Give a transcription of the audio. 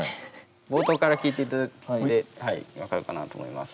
冒頭から聴いていただいて分かるかなと思います。